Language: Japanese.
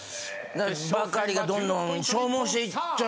バカリがどんどん消耗していっちゃうのでね。